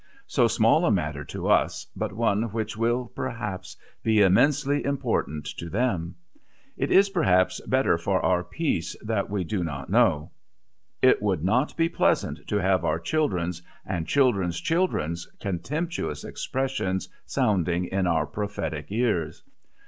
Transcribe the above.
So small a matter to us, but one which will, perhaps, be immensely important to them! It is, perhaps, better for our peace that we do not know; it would not be pleasant to have our children's and children's children's contemptuous expressions sounding in our prophetic ears.